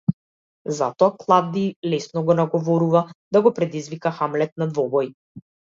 Затоа Клавдиј лесно го наговорува да го предизвика Хамлет на двобој.